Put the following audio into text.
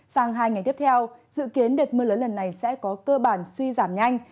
sang hai ngày tiếp theo dự kiến đợt mưa lớn lần này sẽ có cơ bản suy giảm nhanh